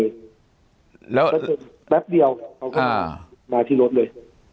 แปะนี้มันวันแป๊บเดียวเขาก็มาพี่รถเลย